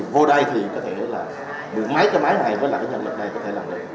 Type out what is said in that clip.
vô đây thì có thể được mấy cái máy này với nhân lực này có thể làm được